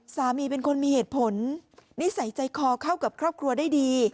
สามีเป็นคนมีเหตุผลนิสัยใจคอเข้ากับครอบครัวได้ดี